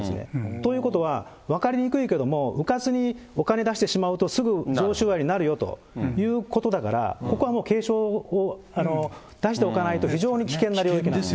ということは、分かりにくいけれども、うかつにお金出してしまうと、すぐ贈収賄になるよということだから、ここは警鐘を出しておかないと非常に危険な領域です。